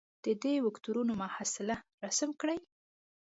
د دې وکتورونو محصله رسم کړئ.